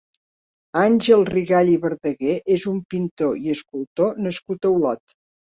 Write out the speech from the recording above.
Àngel Rigall i Verdaguer és un pintor i escultor nascut a Olot.